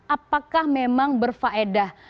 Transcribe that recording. apakah memang berfaedah